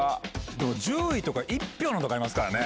でも１０位とか１票のありますからね。